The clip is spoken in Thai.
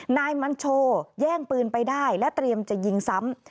นายมันโชแย่งปืนไปได้และเตรียมจะยิงซ้ำ